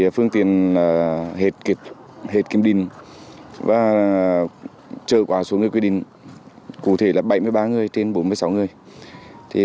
phương tiện đã hết kiểm định và chở quá số người quy định cụ thể là bảy mươi ba người trên bốn mươi sáu người